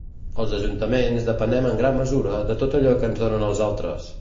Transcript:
Els ajuntaments depenem en gran mesura de tot allò que ens donen els altres.